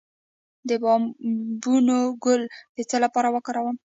د بابونه ګل د څه لپاره وکاروم؟